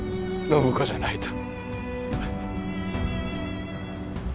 暢子じゃないと！